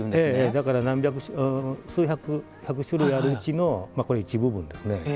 だから１００種類あるうちの一部分ですね。